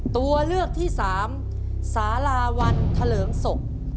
ตัวเลือกที่๓สาราวันทะเลิงศก